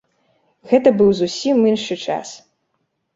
Гэта быў зусім іншы час!